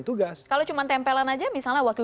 tugas kalau cuma tempelan aja misalnya wakil